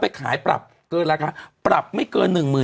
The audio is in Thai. เป็นการกระตุ้นการไหลเวียนของเลือด